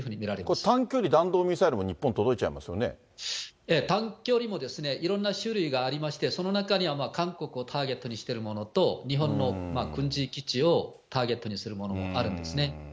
これ、短距離弾道ミサイルも日本、短距離も、いろんな種類がありまして、その中には韓国をターゲットにしているものと、日本の軍事基地をターゲットにするものがあるんですね。